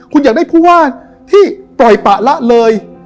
คุณอยากได้ผู้ว่าที่ปล่อยปะละเลย